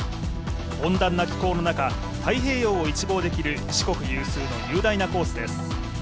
温暖な気候の中、太平洋を一望できる四国有数の雄大なコースです。